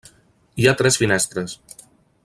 Hi ha tres finestres.